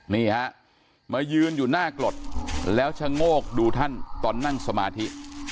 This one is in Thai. นี่ฮะมายืนอยู่หน้ากรดแล้วชะโงกดูท่านตอนนั่งสมาธิ